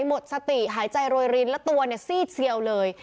หมดสติหายใจโรยรินแล้วตัวเนี่ยซีดเซียวเลย